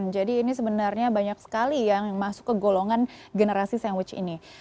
jadi ini sebenarnya banyak sekali yang masuk ke golongan generasi sandwich ini